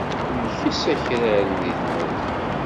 Nkess akraren deg tmurt.